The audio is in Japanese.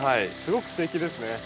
すごくすてきですね。